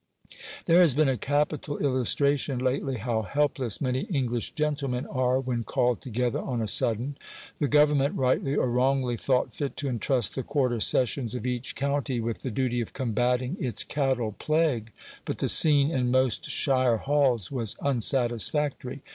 There has been a capital illustration lately how helpless many English gentlemen are when called together on a sudden. The Government, rightly or wrongly, thought fit to entrust the quarter sessions of each county with the duty of combating its cattle plague; but the scene in most "shire halls" was unsatisfactory.